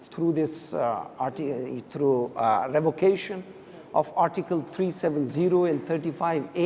dengan mengubah demografi dengan artikel tiga ratus tujuh puluh dan tiga puluh lima a